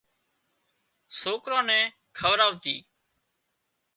سوڪران نين کوَراَتي